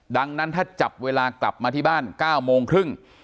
ดังนั้นถ้าจับเวลากลับมาที่บ้าน๙โมงครึ่ง